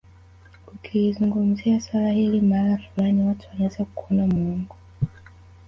Ukilizungumzia swala hili mahala fulani watu wanaweza kukuona muongo